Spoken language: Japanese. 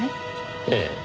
ええ。